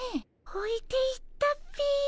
おいていったっピィ。